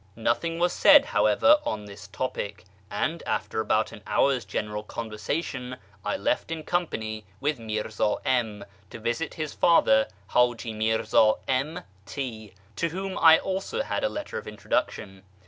Nothing was said, however, on this topic ; and, after about an hour's general conversation, I left in company with Mirza M to visit his father Haji Mirza M T , to whom also I had a letter of introduction.